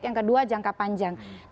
yang kedua jangka panjang